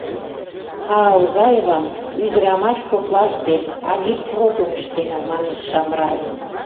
— А Алгаевам ӱдырамаш коклаште агитпропым ыштена, — манеш Шамрай.